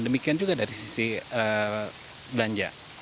demikian juga dari sisi belanja